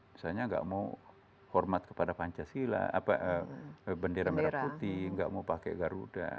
misalnya nggak mau hormat kepada pancasila bendera merah putih nggak mau pakai garuda